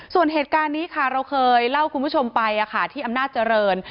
ส่วนเหตุการณ์นี้ค่ะเราเคยเล่าคุณผู้ชมไปที่อำนาจเจริญ